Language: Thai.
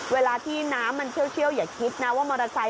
เวลาที่น้ำมันเชี่ยวอย่าคิดนะว่ามอเตอร์ไซค